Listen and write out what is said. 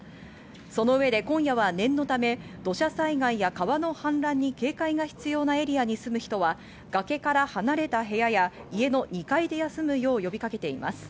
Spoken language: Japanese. そのうえで今夜は念のため土砂災害や川の氾濫に警戒が必要なエリアに住む人は崖から離れた部屋や家の２階で休むよう呼びかけています。